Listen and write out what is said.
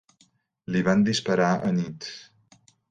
Li van disparar anit.